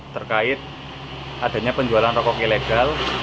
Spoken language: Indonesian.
terkait adanya penjualan rokok ilegal